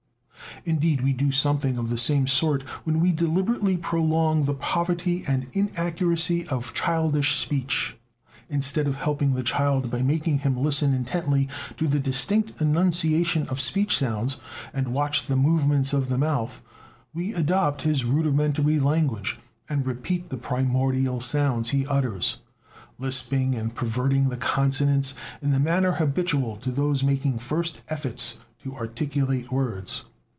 Indeed, we do something of the same sort when we deliberately prolong the poverty and inaccuracy of childish speech; instead of helping the child by making him listen intently to the distinct enunciation of speech sounds, and watch the movements of the mouth, we adopt his rudimentary language, and repeat the primordial sounds he utters, lisping and perverting the consonants in the manner habitual to those making first efforts to articulate words.